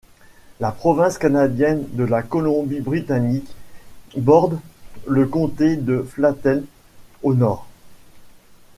La province canadienne de la Colombie-Britannique borde le comté de Flathead au nord.